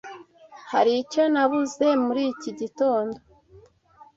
Hari icyo nabuze muri iki gitondo?